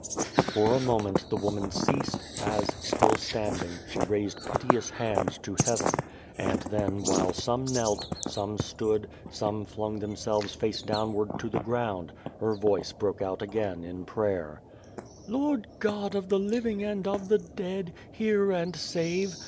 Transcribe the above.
For a moment the woman ceased, as, still standing, she raised piteous hands to heaven, 293 A World and then while some knelt, some stood, some flung themselves face downward to the ground, her voice broke out again in prayer :" Lord God of the Living and of the Dead, hear and save.